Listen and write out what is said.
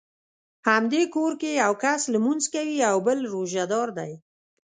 همدې کور کې یو کس لمونځ کوي او بل روژه دار دی.